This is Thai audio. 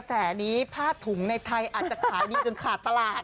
แสนี้ผ้าถุงในไทยอาจจะขายดีจนขาดตลาด